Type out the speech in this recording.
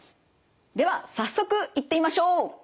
では早速いってみましょう！